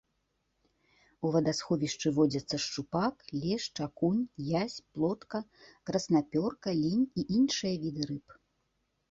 У вадасховішчы водзяцца шчупак, лешч, акунь, язь, плотка, краснапёрка, лінь і іншыя віды рыб.